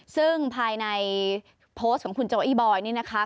ซึ่งภายในโพสต์ของคุณโจอี้บอยนี่นะคะ